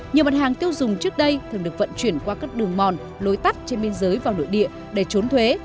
nhiều mặt hàng tiêu dùng trước đây thường được vận chuyển qua các đường mòn lối tắt trên biên giới vào nội địa để trốn thuế